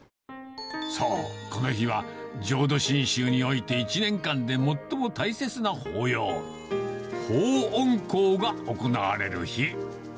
そう、この日は浄土真宗において一年間で最も大切な法要、報恩講が行われる日。